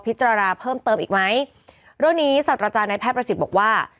พิษจรรยาเพิ่มเติมอีกไหมร่วมนี้สอนตัวอาจารย์ในแพทย์ประสิทธิ์บอกว่า